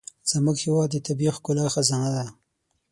زموږ هېواد د طبیعي ښکلا خزانه ده.